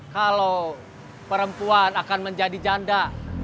kalau perempuan akan menjadi janda